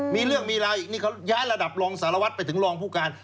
มีเรื่องมีราวอีกนี่เขาย้ายระดับรองสารวัตรไปถึงรองผู้การ